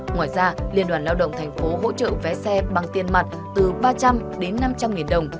ngoài ra liên đoàn lao động tp hỗ trợ vé xe bằng tiền mặt từ ba trăm linh đến năm trăm linh đồng